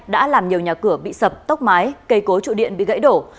đã làm nhiều nhà cửa bị sập tóc mái cây cố trụ điện bị gãy đổ